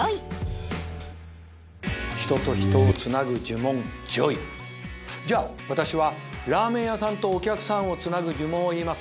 人と人をつなぐ呪文『ＪＯＹ』じゃあ私はラーメン屋さんとお客さんをつなぐ呪文を言います。